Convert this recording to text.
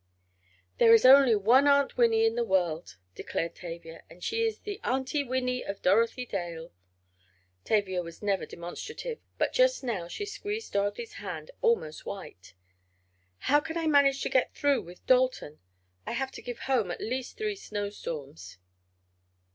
"There is only one Aunt Winnie in the world," declared Tavia, "and she is the Aunty Winnie of Dorothy Dale." Tavia was never demonstrative, but just now she squeezed Dorothy's hand almost white. "How can I manage to get through with Dalton? I have to give home at least three snowstorms."